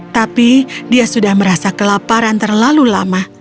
tapi dia sudah merasa kelaparan terlalu lama